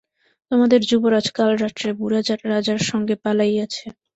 তোমাদের যুবরাজ কাল রাত্রে বুড়া রাজার সঙ্গে পলাইয়াছে!